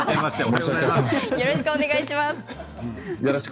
よろしくお願いします。